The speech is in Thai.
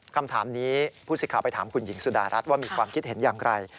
คำถามนี้ผู้สิทธิ์ไปถามคุณหญิงสุดารัฐว่ามีความคิดเห็นอย่างไร